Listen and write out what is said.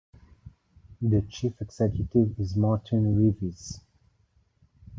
The Chief Executive is Martin Reeves.